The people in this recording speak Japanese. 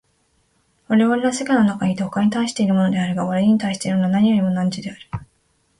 我は世界の中にいて他に対しているのであるが、我に対するものは何よりも汝である。